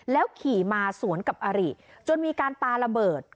ขี่มาสวนกับอาริจนมีการปาระเบิด